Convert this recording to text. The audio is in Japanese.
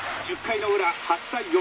１０回の裏８対４。